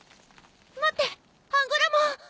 待ってアンゴラモン！